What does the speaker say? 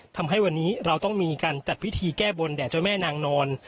ทำให้วันนี้เราต้องมีการจัดพิธีแก้บนแด่เจ้าแม่นางนอน